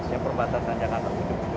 yang perbatasan jakarta